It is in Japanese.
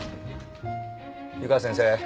湯川先生。